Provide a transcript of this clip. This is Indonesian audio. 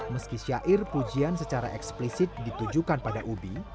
meski syair pujian secara eksplisit ditujukan pada ubi